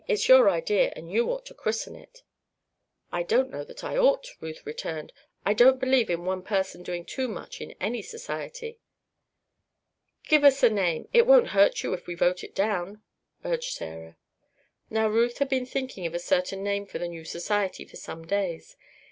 It's your idea, and you ought to christen it." "I don't know that I ought," Ruth returned. "I don't believe in one person doing too much in any society." "Give us a name. It won't hurt you if we vote it down," urged Sarah. Now Ruth had been thinking of a certain name for the new society for some days.